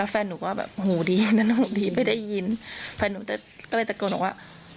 แฟนหนูก็แบบหูดีนะหนูดีไม่ได้ยินแฟนหนูก็เลยตะโกนบอกว่า